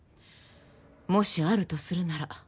もしあるとするなら。